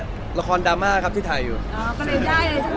พี่พอร์ตทานสาวใหม่พี่พอร์ตทานสาวใหม่